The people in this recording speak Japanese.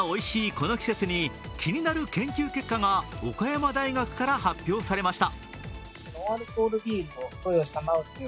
この季節に気になる研究結果が岡山大学から発表されました。